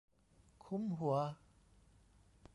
คุ้ม หัว